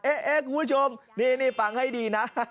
คุณผู้ชมนี่ฟังให้ดีนะ